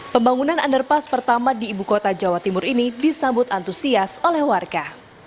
pembangunan underpass pertama di ibu kota jawa timur ini disambut antusias oleh warga